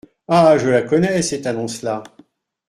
Ah ! je la connais, cette annonce-là.